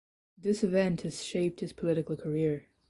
This event has shaped his political career.